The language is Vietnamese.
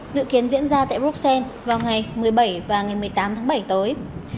dự kiến diễn ra tại bruxelles vào ngày một mươi bảy và ngày một mươi tám tháng bảy tới